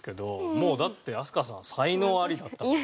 もうだって飛鳥さんは才能ありだったから。